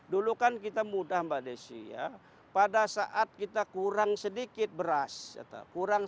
dulu kan kita mudah mbak desi ya pada saat kita kurang sedikit beras